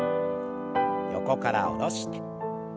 横から下ろして。